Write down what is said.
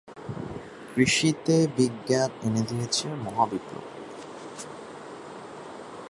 কৃষিতে বিজ্ঞান এনে দিয়েছে মহাবিপ্লব।